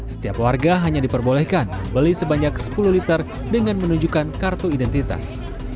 setiap warga hanya diperbolehkan beli sebanyak sepuluh liter dengan menunjukkan kartu identitas